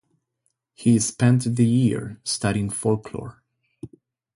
He spent the year studying folklore.